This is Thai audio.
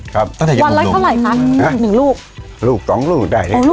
ครับวันละเท่าไหร่คะ๑ลูกลูก๒ลูกได้